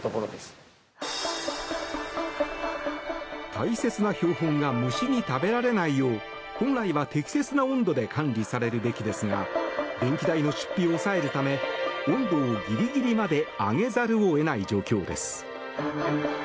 大切な標本が虫に食べられないよう本来は適切な温度で管理されるべきですが電気代の出費を抑えるため温度をギリギリまで上げざるを得ない状況です。